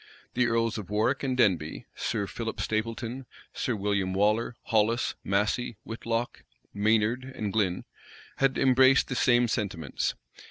The earls of Warwick and Denbigh, Sir Philip Stapleton, Sir William Waller, Hollis, Massey, Whitlocke, Maynard, Glyn, had embraced the same sentiments.